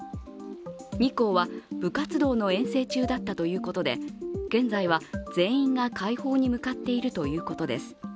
２校は部活動の遠征中だったということで現在は全員が快方に向かっているということです。